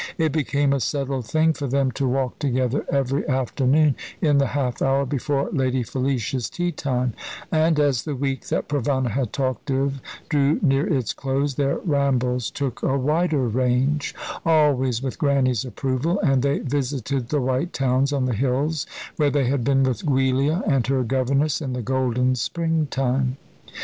It became a settled thing for them to walk together every afternoon in the half hour before Lady Felicia's tea time; and as the week that Provana had talked of drew near its close, their rambles took a wider range, always with Grannie's approval, and they visited the white towns on the hills where they had been with Giulia and her governess in the golden spring time.